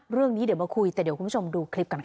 เรื่องนี้เดี๋ยวมาคุยแต่เดี๋ยวคุณผู้ชมดูคลิปกันค่ะ